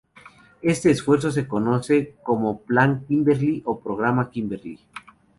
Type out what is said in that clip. Este esfuerzo se conoce como "Plan Kimberley" o "Programa Kimberley".